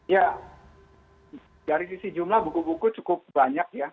ya dari sisi jumlah buku buku cukup banyak ya